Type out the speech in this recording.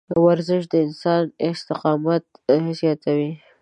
ورزش د انسان استقامت زیاتوي.